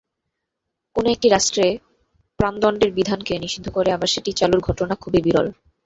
কোনো একটি রাষ্ট্রে প্রাণদণ্ডের বিধানকে নিষিদ্ধ করে আবার সেটি চালুর ঘটনা খুবই বিরল।